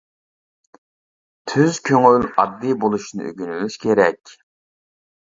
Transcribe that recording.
تۈز كۆڭۈل ئاددىي بولۇشنى ئۆگىنىۋېلىش كېرەك.